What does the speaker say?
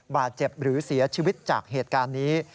บาดเจ็บหรือเสียชีวิตจากเหตุการณ์นี้